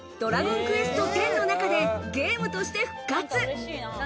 そう『ドラゴンクエストＸ』の中でゲームとして復活。